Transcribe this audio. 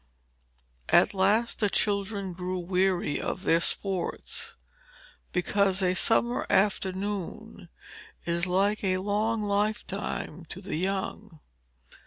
At last the children grew weary of their sports; because a summer afternoon is like a long lifetime to the young.